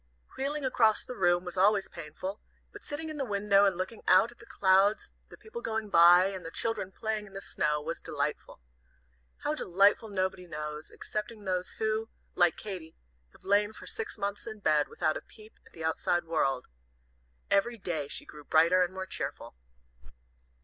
Wheeling across the room was always painful, but sitting in the window and looking out at the clouds, the people going by, and the children playing in the snow, was delightful. How delightful nobody knows, excepting those who, like Katy, have lain for six months in bed, without a peep at the outside world. Every day she grew brighter and more cheerful.